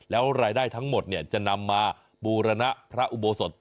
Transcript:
แล้วรายได้ทั้งหมดจะนำมาบูรณะพระอุโบสถ